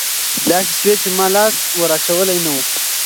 داسې شوي چې ما لاس ور اچولى نه وي.